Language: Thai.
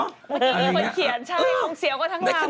เมื่อกี้มีคนเขียนใช่คงเสียวก็ทั้งนั้น